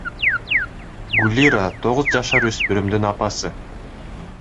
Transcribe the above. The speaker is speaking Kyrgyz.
Гулира — тогуз жашар өспүрүмүн апасы.